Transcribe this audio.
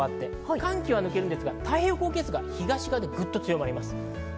寒気は抜けますが、太平洋高気圧が東からぐっと強まります。